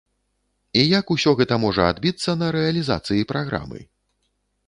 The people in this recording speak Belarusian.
І як усё гэта можа адбіцца на рэалізацыі праграмы?